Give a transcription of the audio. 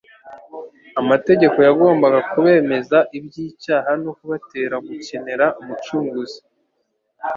Amategeko yagombaga kubemeza iby'icyaha no kubatera gukenera Umucunguzi.